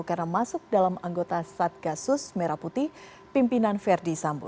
karena masuk dalam anggota satgasus merah putih pimpinan verdi sambo